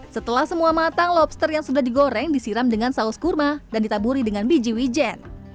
setelah semua matang lobster yang sudah digoreng disiram dengan saus kurma dan ditaburi dengan biji wijen